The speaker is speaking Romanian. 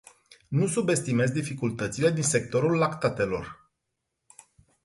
Nu subestimez dificultățile din sectorul lactatelor.